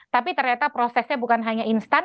tapi ternyata prosesnya bukan hanya instan